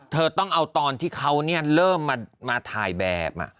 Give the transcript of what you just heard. เธอต้องเอาตอนที่เขาเริ่มมาถ่ายแบบ